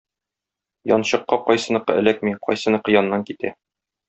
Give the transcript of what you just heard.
Янчыкка кайсыныкы эләкми, кайсыныкы яннан китә.